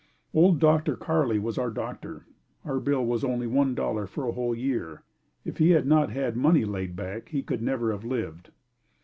Old Doctor Carli was our doctor. Our bill was only one dollar for a whole year. If he had not had money laid back, he could never have lived.